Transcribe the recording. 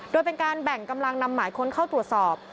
โดยเป็นการแบ่งกำลังนำหมายค้นเข้าตรวจสอบ